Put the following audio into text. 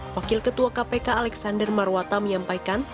wakil ketua kpk alexander marwata menyampaikan